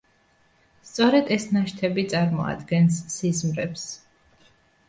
სწორედ ეს ნაშთები წარმოადგენს სიზმრებს.